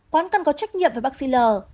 quán cần có trách nhiệm với bác sĩ l